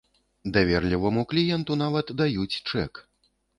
Даверліваму кліенту нават даюць чэк.